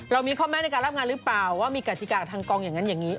เรามีคอมเม้นท์ในการรับงานหรือเปล่าว่ามีกฏิกาทางกองอย่างนั้นอย่างนี้